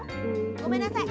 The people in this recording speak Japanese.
ごめんなさい。